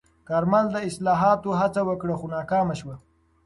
کارمل د اصلاحاتو هڅه وکړه، خو ناکامه شوه.